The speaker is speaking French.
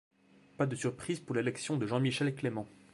Pas de surprise pour l'élection de Jean-Michel Clément.